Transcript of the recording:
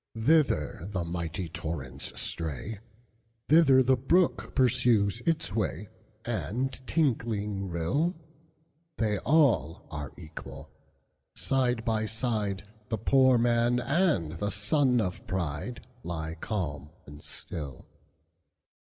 Thither the mighty torrents stray, Thither the brook pursues its way, And tinkling rill. There all are equal; side by sideThe poor man and the son of prideLie calm and still.